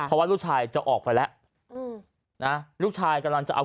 เพราะว่าลูกชายจะออกไปแล้วอืมนะลูกชายกำลังจะเอา